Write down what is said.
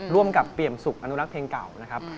ร่วมกับเปรียมสุขอนุรักษ์เพลงเก่านะครับ